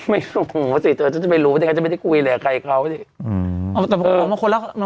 ไม่รู้สิเธอจะไม่รู้เธอจะไม่ได้คุยเลยกับใครเขาสิอืมเออแต่ว่าคนละ